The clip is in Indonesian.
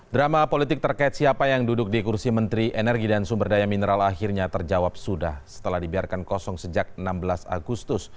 drama politik terkait siapa yang duduk di kursi menteri energi dan sumber daya mineral akhirnya terjawab sudah setelah dibiarkan kosong sejak enam belas agustus